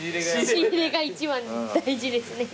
仕入れが一番大事ですね。